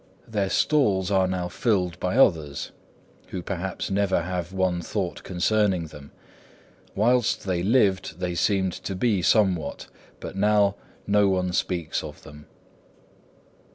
Their stalls are now filled by others, who perhaps never have one thought concerning them. Whilst they lived they seemed to be somewhat, but now no one speaks of them.